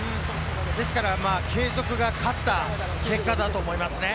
ですから継続が勝った結果だと思いますね。